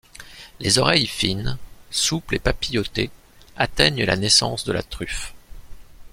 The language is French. Les oreilles fines, souples et papillotées atteignent la naissance de la truffe.